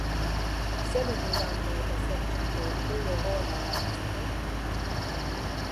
Zer egin da ondo eta zer txarto egungo egoerara heltzeko?